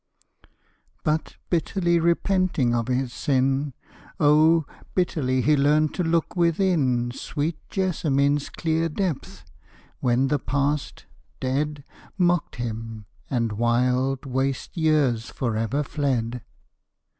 _ But, bitterly repenting of his sin, Oh, bitterly he learned to look within Sweet Jessamine's clear depth when the past, dead, Mocked him, and wild, waste years forever fled!